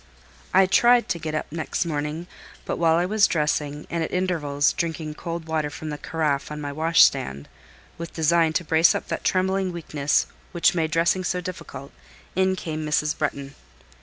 I tried to get up next morning, but while I was dressing, and at intervals drinking cold water from the carafe on my washstand, with design to brace up that trembling weakness which made dressing so difficult, in came Mrs. Bretton.